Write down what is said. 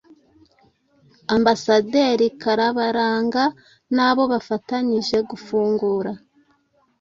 Ambasaderi Karabaranga n'abo bafatanyije gufungura